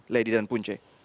lady dan punce